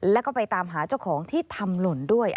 แล้วก็ไปตามหาเจ้าของที่ทำหล่นด้วย